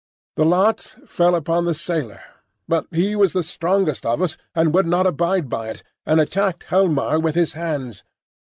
The lot fell upon the sailor; but he was the strongest of us and would not abide by it, and attacked Helmar with his hands.